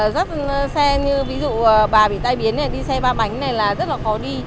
dắt xe như ví dụ bà bị tai biến này đi xe ba bánh này là rất là khó đi